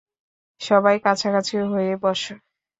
সবাই কাছাকাছি হয়ে বসো।